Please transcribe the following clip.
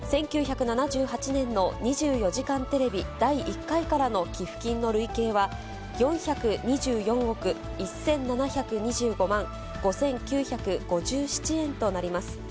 １９７８年の２４時間テレビ第１回からの寄付金の累計は、４２４億１７２５万５９５７円となります。